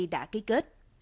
đã ký kết